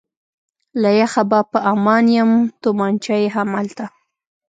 له یخه به په امان یم، تومانچه یې همالته.